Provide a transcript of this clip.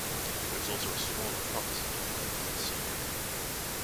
There is also a smaller Protestant enclave at Suffolk.